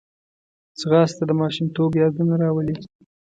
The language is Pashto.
ځغاسته د ماشومتوب یادونه راولي